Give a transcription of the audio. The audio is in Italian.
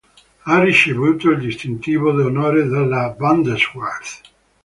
Ha ricevuto il distintivo d'onore della Bundeswehr.